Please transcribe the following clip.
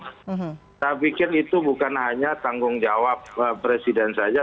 saya pikir itu bukan hanya tanggung jawab presiden saja